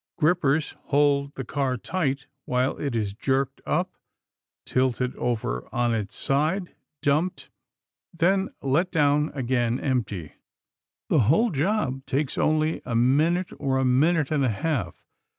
Grippers hold the car tight while it is jerked up, tilted over on its side, dumped, then let down again empty. The whole job takes only a minute or a minute and a half.